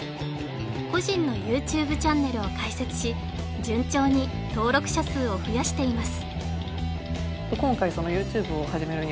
個人のＹｏｕＴｕｂｅチャンネルを開設し順調に登録者数を増やしています